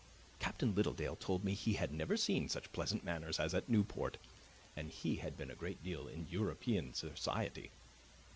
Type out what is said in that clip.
Captain Littledale told me he had never seen such pleasant manners as at Newport, and he had been a great deal in European society.